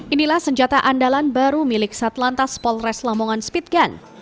inilah senjata andalan baru milik satlantas polres lamongan speedgun